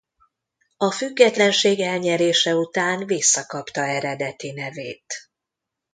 A függetlenség elnyerése után visszakapta eredeti nevét.